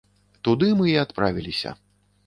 Туды мы і адправіліся.